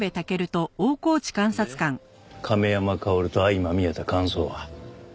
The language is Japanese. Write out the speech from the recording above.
で亀山薫と相まみえた感想は？